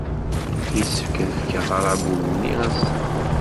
Yessefk ad fkeɣ aṛabul-nni ass-a.